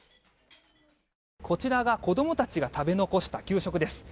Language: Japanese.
こちらが、子どもたちが食べ残した給食です。